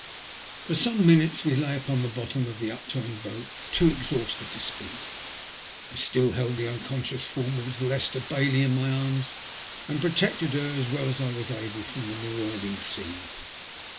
FOB some minutes we lay upon the bottom of the up turned boat too exhausted to speak. I still held the unconscious form of little Esther Bailej in my arms, and protected her, as well as I was able, from the marauding seas.